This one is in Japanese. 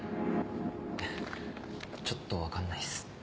ちょっと分かんないっす。